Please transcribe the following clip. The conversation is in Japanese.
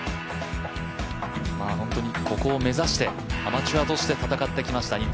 本当にここを目指してアマチュアとして戦ってきました。